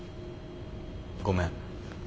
ごめん。